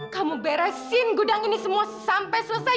kamu beresin gudang ini semua sampai selesai